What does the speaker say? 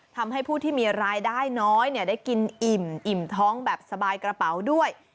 ทำให้ผู้ที่มีรายได้น้อยได้กินอิ่มอิ่มท้องแบบสบายกระเป๋าด้วย